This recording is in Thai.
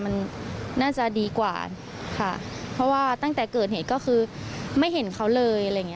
มันน่าจะดีกว่าค่ะเพราะว่าตั้งแต่เกิดเหตุก็คือไม่เห็นเขาเลยอะไรอย่างเง